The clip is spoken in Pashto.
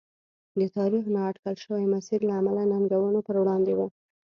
د تاریخ نااټکل شوي مسیر له امله ننګونو پر وړاندې و.